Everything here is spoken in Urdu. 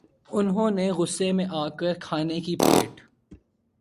انھوں نے غصے میں آ کر کھانے کی پلیٹ